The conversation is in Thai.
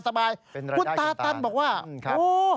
คุณตาตันบอกว่าโอ้